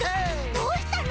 どうしたの？